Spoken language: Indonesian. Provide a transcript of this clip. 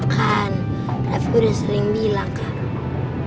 kan raffi udah sering bilang kak